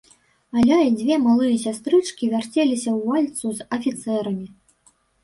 Аля і дзве малыя сястрычкі вярцеліся ў вальцу з афіцэрамі.